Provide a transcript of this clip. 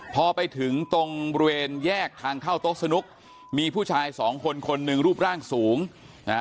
พอไปถึงตรงบริเวณแยกทางเข้าโต๊ะสนุกมีผู้ชายสองคนคนหนึ่งรูปร่างสูงนะฮะ